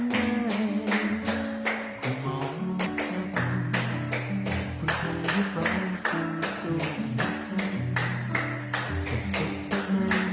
ทำงานชิซาเราใช้อินเตอร์เน็ตแทน